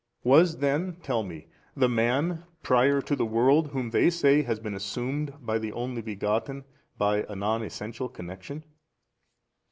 Was then (tell me) the man prior to the world 68, whom they say has been assumed by the Only Begotten by a non essential connection?